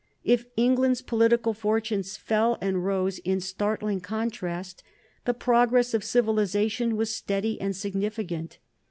If England's political fortunes fell and rose in startling contrast, the progress of civilization was steady and significant.